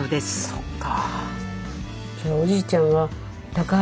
そっか。